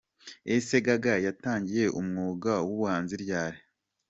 Ese gaga yatangiye umwuga w’ubuhanzi ryari?.